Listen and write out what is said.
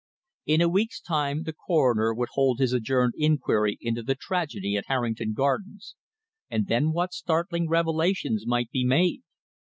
In a week's time the coroner would hold his adjourned inquiry into the tragedy at Harrington Gardens, and then what startling revelations might be made!